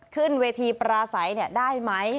ขึ้นเวทีปราศัยได้ไหม